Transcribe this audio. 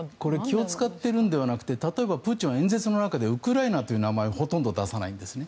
気を使っているのではなくて例えばプーチンは演説の中でウクライナという名前をほとんど出さないんですね。